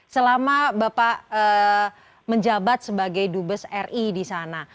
selama bapak menjabat sebagai dubes ri di sana